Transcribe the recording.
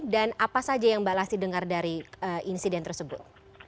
dan apa saja yang mbak lasti dengar dari insiden tersebut